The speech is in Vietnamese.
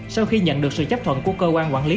sau khi nhận được sự chấp thuận của cơ quan quản lý